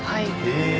へえ！